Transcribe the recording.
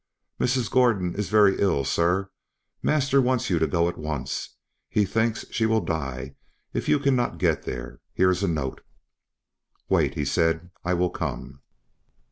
"Mrs. Gordon is very ill, sir; master wants you to go at once; he thinks she will die if you cannot get there. Here is a note." "Wait," he said, "I will come."